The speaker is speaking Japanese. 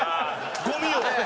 ゴミを！